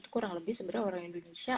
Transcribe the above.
kurang lebih sebenarnya orang indonesia